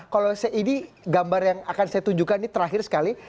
kalau ini gambar yang akan saya tunjukkan ini terakhir sekali